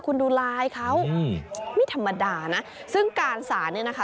คุณดูลายเขาอืมไม่ธรรมดานะซึ่งการสารเนี่ยนะคะ